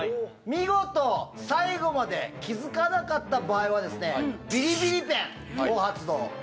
見事最後まで気付かなかった場合はですねビリビリペンを発動。